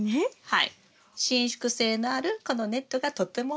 はい。